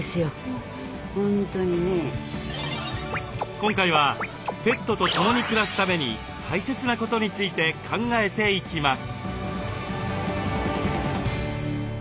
今回はペットと共に暮らすために大切なことについて考えていきます。